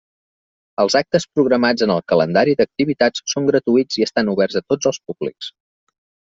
Els actes programats en el Calendari d'activitats són gratuïts i estan oberts a tots els públics.